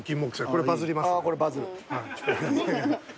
これバズりますね。